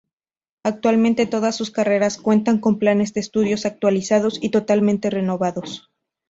Actualmente todas sus carreras cuentan con planes de estudios actualizados y totalmente renovados.